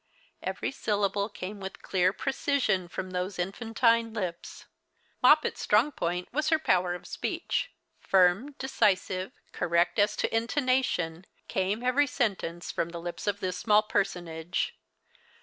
Every syllalile came A\ith clear precision from those infantine lips. 3Ioppet's strong point was her po\\er of speech. Fu m, decisive, correct as to intonation, came every sentence from the lips of this small personage.